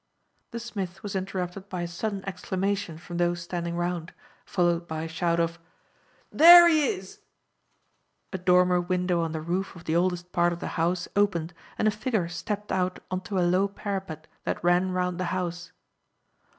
The smith was interrupted by a sudden exclamation from those standing round, followed by a shout of "There he is!" A dormer window on the roof of the oldest part of the house opened, and a figure stepped out on to a low parapet that ran round the house.